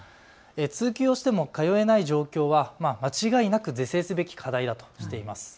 通級をしても通えない状況は間違いなく是正すべき課題だとしています。